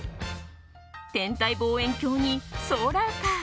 天体望遠鏡にソーラーカー